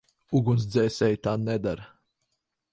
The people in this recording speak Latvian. Ugunsdzēsēji tā nedara.